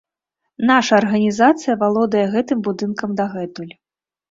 Наша арганізацыя валодае гэтым будынкам дагэтуль.